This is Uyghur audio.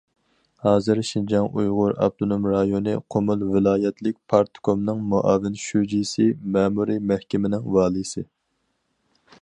ھازىر شىنجاڭ ئۇيغۇر ئاپتونوم رايونى قۇمۇل ۋىلايەتلىك پارتكومنىڭ مۇئاۋىن شۇجىسى، مەمۇرىي مەھكىمىنىڭ ۋالىيسى.